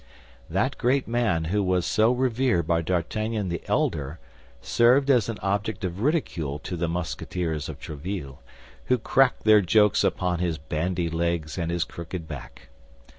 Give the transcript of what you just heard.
That great man who was so revered by D'Artagnan the elder served as an object of ridicule to the Musketeers of Tréville, who cracked their jokes upon his bandy legs and his crooked back.